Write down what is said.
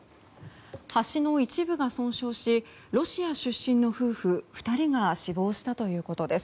橋の一部が損傷しロシア出身の夫婦２人が死亡したということです。